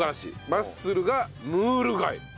「マッスル」がムール貝。